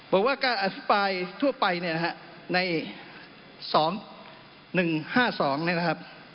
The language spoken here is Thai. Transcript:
บอกว่าการอภิปายทั่วไปใน๑๕๒นะครับ